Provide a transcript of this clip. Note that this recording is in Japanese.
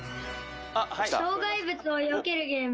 障害物をよけるゲーム。